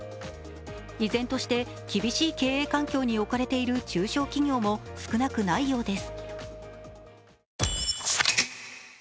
依然として厳しい経営環境に置かれている中小企業も少なくないようです。